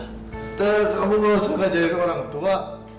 tidak abah nggak usah ngajarin orang tua